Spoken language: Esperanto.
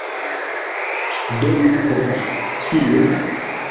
Do mi povas... kio?